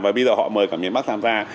và bây giờ họ mời cả miền bắc tham gia